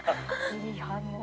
いい反応。